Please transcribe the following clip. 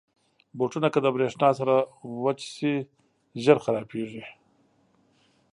بوټونه که د برېښنا سره وچه شي، ژر خرابېږي.